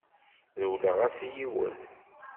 Rewleɣ-as i yiwen.